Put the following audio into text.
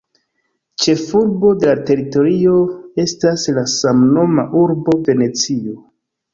Ĉefurbo de la teritorio estas la samnoma urbo Venecio.